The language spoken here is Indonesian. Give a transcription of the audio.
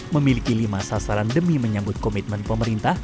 memiliki lima sasaran demi menyambut komitmen pemerintah